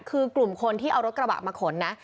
คือกลุ่มคนที่เอารถกระบะมาขนนะ